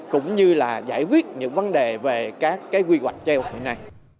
cũng như là giải quyết những vấn đề về các cái quy hoạch treo hiện nay